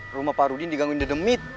rumah pak rudin digangguin dedemit